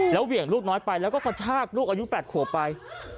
เหวี่ยงลูกน้อยไปแล้วก็กระชากลูกอายุ๘ขวบไป